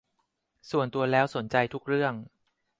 ส่วนตัวแล้วสนใจทุกเรื่อง